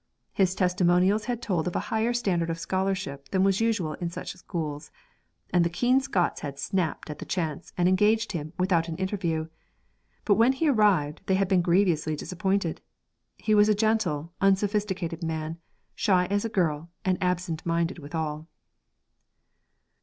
His testimonials had told of a higher standard of scholarship than was usual in such schools, and the keen Scots had snapped at the chance and engaged him without an interview; but when he arrived they had been grievously disappointed. He was a gentle, unsophisticated man, shy as a girl, and absent minded withal.